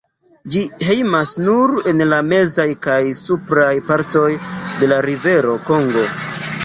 Ĝi hejmas nur en la mezaj kaj supraj partoj de la rivero Kongo.